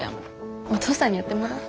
お父さんにやってもらお！